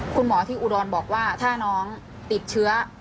คุณหมอที่อุดรบอกว่าถ้าน้องติดเชื้อ